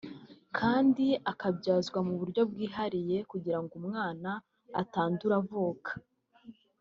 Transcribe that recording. kandi akabyazwa mu buryo bwihariye kugira ngo umwana atandura avuka